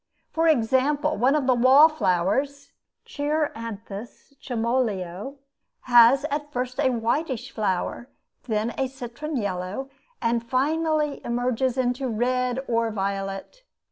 For example, one of the wall flowers, Cheiranthus chamoeleo, has at first a whitish flower, then a citron yellow, and finally emerges into red or violet.